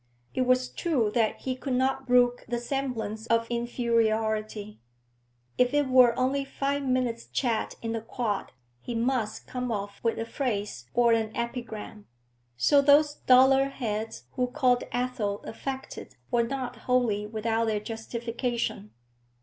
It was true that he could not brook the semblance of inferiority; if it were only five minutes' chat in the Quad, he must come off with a phrase or an epigram; so those duller heads who called Athel affected were not wholly without their justification.